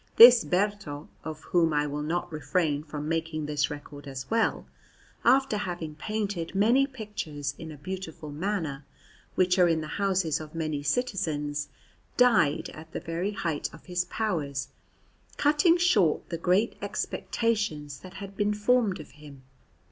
This Berto (of whom I will not refrain from making this record as well), after having painted many pictures in a beautiful manner, which are in the houses of many citizens, died at the very height of his powers, cutting short the great expectations that had been formed of him.